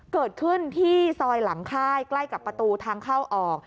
เกิดขึ้นที่ซอยหลังค่ายใกล้กับประตูทางเข้าออก